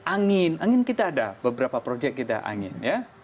angin angin kita ada beberapa projek kita angin